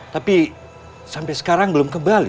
tapi sampai sekarang belum kembali